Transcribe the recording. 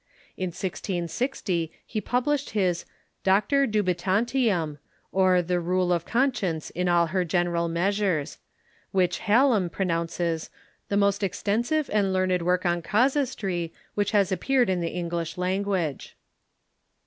In 1660 he published his "Doctor Dubitantium, or the Rule of Con science in all her General Measures," which Hallam pronounces " the most extensive and learned work on casuistry Avhich has api)eared in the English language."